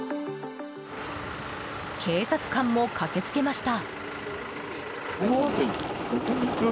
警察官も駆けつけました。